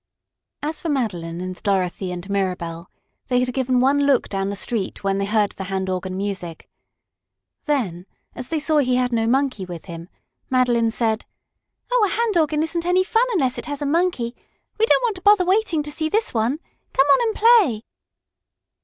As for Madeline and Dorothy and Mirabell, they had given one look down the street when they heard the hand organ music. Then, as they saw he had no monkey with him, Madeline said: "Oh, a hand organ isn't any fun unless it has a monkey. We don't want to bother waiting to see this one. Come on and play."